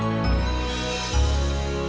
kita masih bisa ambil uang dari perusahaan